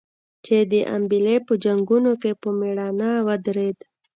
چې د امبېلې په جنګونو کې په مړانه ودرېد.